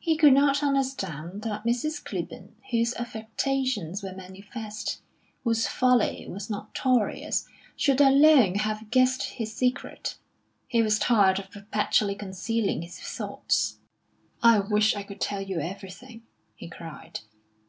He could not understand that Mrs. Clibborn, whose affectations were manifest, whose folly was notorious, should alone have guessed his secret. He was tired of perpetually concealing his thoughts. "I wish I could tell you everything!" he cried.